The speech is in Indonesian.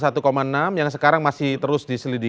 terus kemudian satu enam yang sekarang masih terus diselidiki